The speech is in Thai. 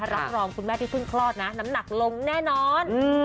รับรองคุณแม่ที่เพิ่งคลอดนะน้ำหนักลงแน่นอน